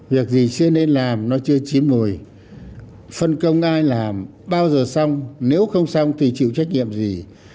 việc gì chưa nên làm nó chưa chín mùi phân công ai làm bao giờ xong nếu không xong thì chịu trách nhiệm gì